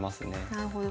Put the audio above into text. なるほど。